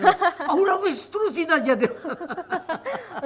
aku lapis terusin aja dia